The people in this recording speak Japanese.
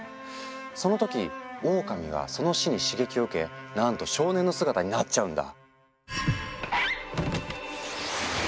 その時オオカミはその死に刺激を受けなんと少年の姿になっちゃうんだ。